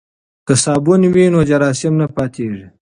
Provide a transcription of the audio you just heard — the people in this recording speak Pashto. که صابون وي نو جراثیم نه پاتیږي.